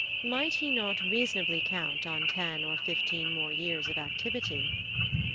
Might he not reasonably count on ten or fifteen more years of activity?